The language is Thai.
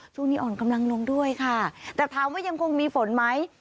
ช่วงนี้อ่อนกำลังลงด้วยค่ะแต่ถามว่ายังคงมีฝนไหม